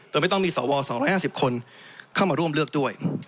โดยไม่ต้องมีสว๒๕๐คนเข้ามาร่วมเลือกด้วย